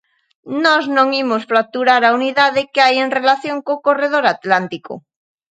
Nós non imos fracturar a unidade que hai en relación co corredor atlántico.